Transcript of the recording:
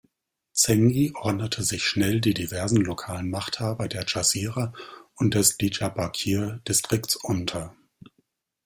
Zengi ordnete sich schnell die diversen lokalen Machthaber der Dschazira und des Diyarbakir-Distrikts unter.